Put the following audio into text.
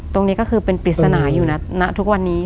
ตรงนี้ก็คือเป็นปริศนาอยู่ณทุกวันนี้